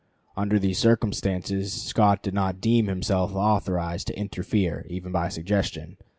Under these circumstances Scott did not deem himself authorized to interfere even by suggestion.